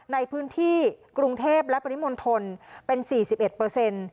ในพื้นที่กรุงเทพและปริมณฑลเป็น๔๑เปอร์เซ็นต์